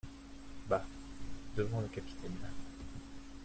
Bah ! devant le capitaine !